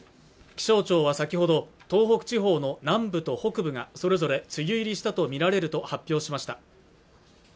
気象庁は先ほど東北地方の南部と北部がそれぞれ梅雨入りしたとみられると発表しました